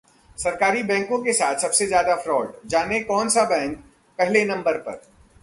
सरकारी बैंकों के साथ सबसे ज्यादा फ्रॉड, जानें कौन सा बैंक पहले नंबर पर